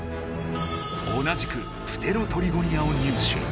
同じくプテロトリゴニアを入手。